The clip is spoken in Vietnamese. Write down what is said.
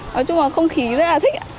nói chung là không khí rất là thích ạ